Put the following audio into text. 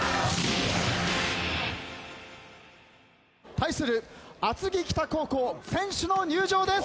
対する厚木北高校選手の入場です。